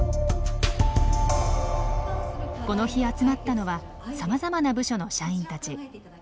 この日集まったのはさまざまな部署の社員たち。